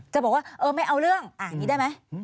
จะบอกว่าไม่เอาเรื่องอันนี้ได้ไหม